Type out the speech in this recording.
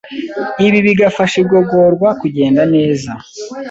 Ibi bigafasha igogorwa kugenda neza,